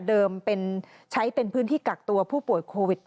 ใช้เป็นพื้นที่กักตัวผู้ป่วยโควิด